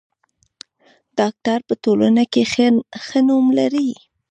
ډاکټر په ټولنه کې ښه نوم لري.